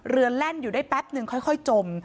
แล่นอยู่ได้แป๊บนึงค่อยจม